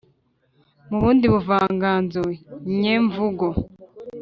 mu bundi buvanganzo nyemvugo